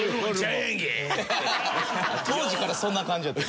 当時からそんな感じやった。